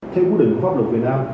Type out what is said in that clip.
theo quốc định pháp luật việt nam